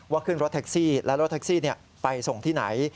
ว่าเครื่องรถแท็กซี่และรถแท็กซี่ไปส่งที่ไหน